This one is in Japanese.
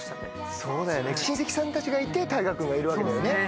そうだよね親戚さんたちがいて大我君がいるわけだよね。